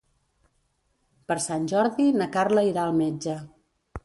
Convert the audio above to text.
Per Sant Jordi na Carla irà al metge.